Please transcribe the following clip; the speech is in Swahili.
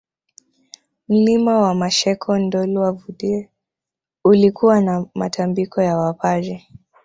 Mlima wa Masheko Ndolwa Vudee uliokuwa na Matambiko ya Wapare